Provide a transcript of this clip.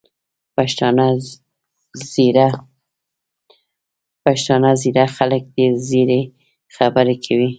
پښتانه ځيږه خلګ دي او ځیږې خبري کوي.